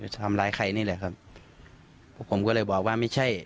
ทำร้ายใครนี่แหละครับพวกผมก็เลยบอกว่าไม่ใช่